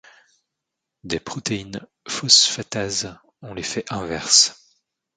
Des protéines phosphatases ont l'effet inverse.